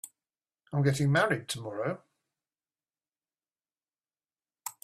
I'm getting married tomorrow.